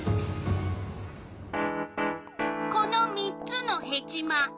この３つのヘチマ。